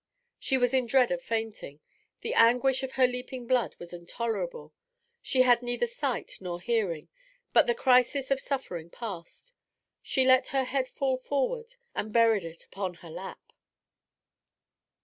She was in dread of fainting; the anguish of her leaping blood was intolerable; she had neither sight nor hearing. But the crisis of suffering passed; she let her head fall forward and buried it upon her lap.